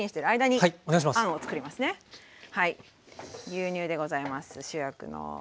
牛乳でございます主役の。